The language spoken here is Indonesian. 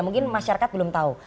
mungkin masyarakat belum tahu